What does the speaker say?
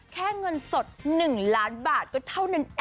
เงินสด๑ล้านบาทก็เท่านั้นเอง